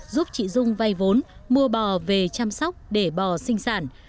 giúp chị dung vay vốn mua bò về chăm sóc để bò sinh sản